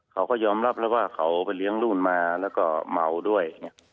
เขาก็ยอมรับแล้วว่าเขาไปเลี้ยงรุ่นมาแล้วก็เมาด้วย